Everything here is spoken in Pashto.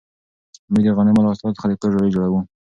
موږ د غنمو له حاصلاتو څخه د کور ډوډۍ جوړوو.